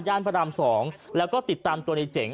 ย่านพระรามสองแล้วก็ติดตามตัวนายเจ๋ง